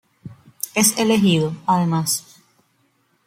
Es elegido, además.